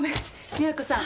美和子さん